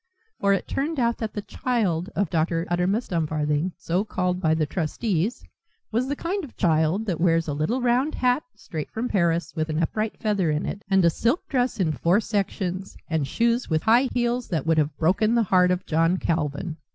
For it turned out that the "child" of Dr. Uttermust Dumfarthing, so called by the trustees, was the kind of child that wears a little round hat, straight from Paris, with an upright feather in it, and a silk dress in four sections, and shoes with high heels that would have broken the heart of John Calvin.